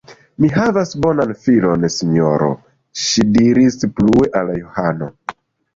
Mi havas bonan filon, sinjoro, ŝi diris plue al Johano.